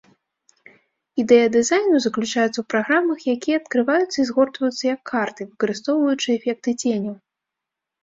Ідэя дызайну заключаецца ў праграмах, якія адкрываюцца і згортваюцца як карты, выкарыстоўваючы эфекты ценяў.